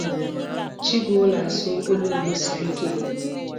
Chigul na-asụ olu Igbo siri ike.